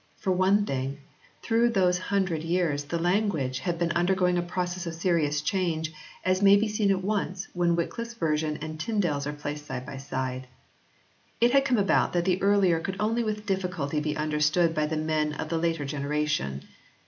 For one thing, through those hundred years the language had been undergoing a process of serious change, as may be seen at once when Wycliffe s version and Tyndale s are placed side by side. It had come about that the earlier could only with difficulty be under stood by the men of the later generation.